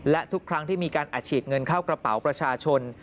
และทุกครั้งที่มีการอัดฉีดเงินเข้ากระเป๋าประชาชน